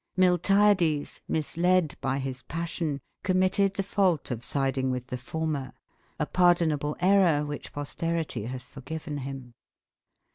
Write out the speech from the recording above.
Miltiades, misled by his passion, committed the fault of siding with the former, a pardonable error which posterity has forgiven him.